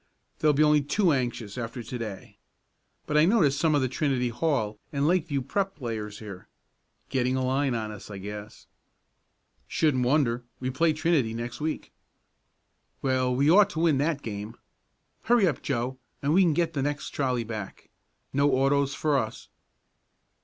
They'll be only too anxious, after to day. But I notice some of the Trinity Hall and Lakeview Prep. players here. Getting a line on us, I guess." "Shouldn't wonder. We play Trinity next week." "Well, we ought to win that game. Hurry up, Joe, and we can get the next trolley back. No autos for us."